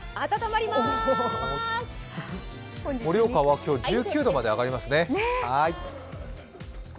盛岡は今日は１９度まで上がりますね。